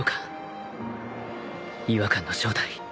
違和感の正体